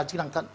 chức năng tận